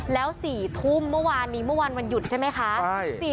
แล้ว๔ทุ่มเมื่อวานนี้เมื่อวันวันหยุดใช่ไหมคะ